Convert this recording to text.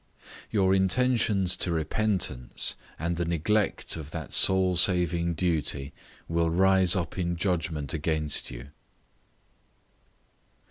Your intentions to repentance, and the neglect of that soul saving duty, will rise up in judgment against you.